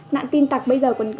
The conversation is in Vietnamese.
nạn tin tặc bây giờ còn nhiều